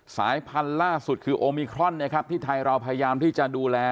สายพันธุ์ล่าสุดคือโอมิครอนนะครับที่ไทยเราพยายามที่จะดูแล